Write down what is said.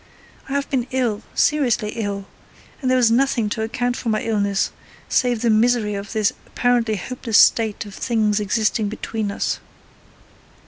I have been ill, seriously ill, and there is nothing to account for my illness save the misery of this apparently hopeless state of things existing between us.